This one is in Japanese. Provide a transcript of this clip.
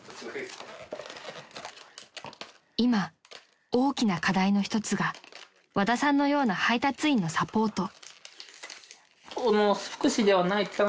［今大きな課題の一つが和田さんのような配達員のサポート］